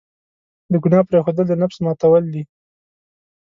د ګناه پرېښودل، د نفس ماتول دي.